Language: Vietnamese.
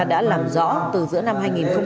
đã làm rõ từ giữa năm hai nghìn một mươi bảy